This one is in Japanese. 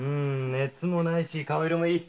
熱もないし顔色もいい。